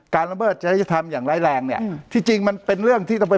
ระเบิดจริยธรรมอย่างร้ายแรงเนี่ยที่จริงมันเป็นเรื่องที่ต้องไป